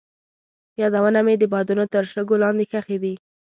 یادونه مې د بادونو تر شګو لاندې ښخې دي.